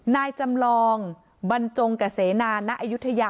นายจำลองบรรจงกะเสนาณอายุทยา